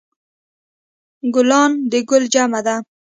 ګلان د ګل جمع ده